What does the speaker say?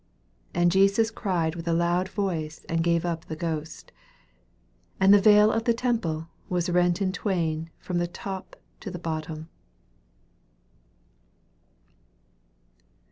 37 And Jesus cried with a loud voice, and gave up the ghost. 38 And the veil of the temple waa rent in twain from the top to the bottom.